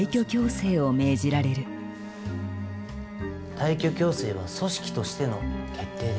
退去強制は組織としての決定です。